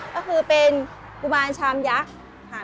ก็คือเป็นกุมารชามยักษ์ค่ะ